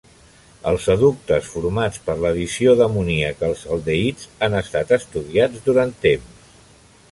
Els adductes formats per l'addició d'amoníac als aldehids han estat estudiats durant temps.